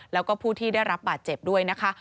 แล้วก็ผู้ที่ได้รับบาดเจ็บด้วยนะคะ